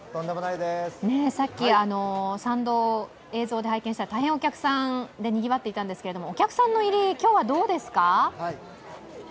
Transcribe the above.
さっき、参道を映像で拝見したら大変にぎわっていたんですけどお客さんの入り、今日はどうですか？